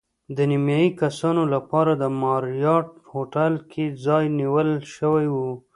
د نیمایي کسانو لپاره د ماریاټ هوټل کې ځای نیول شوی و.